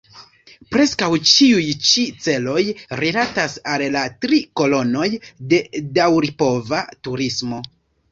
Preskaŭ ĉiuj-ĉi celoj rilatas al la tri kolonoj de daŭripova turismo.